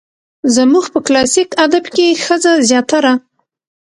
زموږ په کلاسيک ادب کې ښځه زياتره